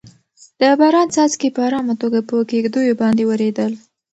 د باران څاڅکي په ارامه توګه په کيږديو باندې ورېدل.